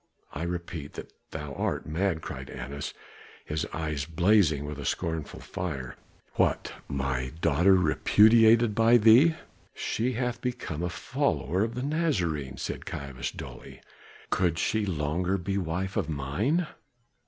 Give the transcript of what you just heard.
"I repeat that thou art mad," cried Annas, his eyes blazing with a scornful fire. "What! my daughter repudiated by thee?" "She hath become a follower of the Nazarene," said Caiaphas dully. "Could she longer be wife of mine?"